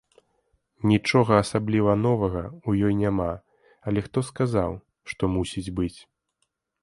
Нічога асабліва новага ў ёй няма, але хто сказаў, што мусіць быць?